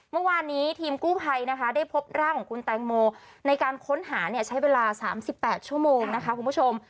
เมื่อวานนี้ทีมกู้ภัยนะคะได้พบร่างของคุณแตงโมในการค้นหาเนี่ยใช้เวลา๓๘ชั่วโมงนะคะคุณผู้ชม